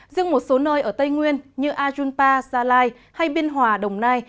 riêng một số nơi ở tây nguyên như ajunpa gia lai hay biên hòa đồng nai